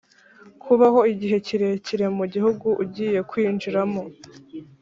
kubaho igihe kirekire mu gihugu ugiye kwinjiramo